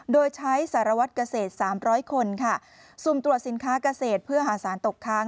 โดยใช้สารวัตรเกษตร๓๐๐คนค่ะสุ่มตรวจสินค้าเกษตรเพื่อหาสารตกค้าง